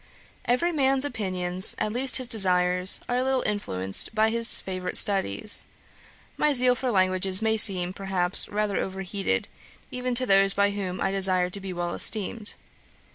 'Every man's opinions, at least his desires, are a little influenced by his favourite studies. My zeal for languages may seem, perhaps, rather over heated, even to those by whom I desire to be well esteemed.